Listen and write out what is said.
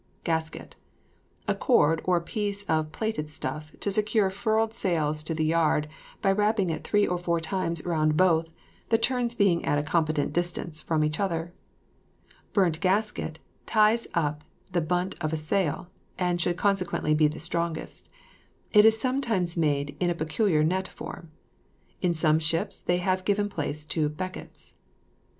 GASKET. A cord, or piece of plaited stuff, to secure furled sails to the yard, by wrapping it three or four times round both, the turns being at a competent distance from each other. Bunt gasket ties up the bunt of the sail, and should consequently be the strongest; it is sometimes made in a peculiar net form. In some ships they have given place to beckets.